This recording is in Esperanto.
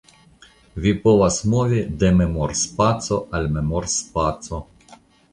Vi povas movi de memorspaco al memorspaco.